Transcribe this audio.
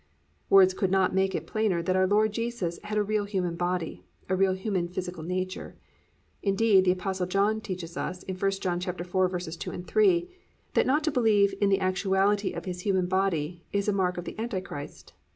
"+ Words could not make it plainer that our Lord Jesus had a real human body, a real human physical nature. Indeed, the Apostle John teaches us in 1 John 4:2, 3, that not to believe in the actuality of His human body, is a mark of the Anti Christ.